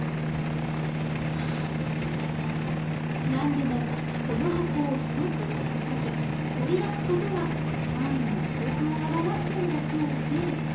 何でもこの箱を一つずつたたき取り出すことが単位の取得を表すんだそうで。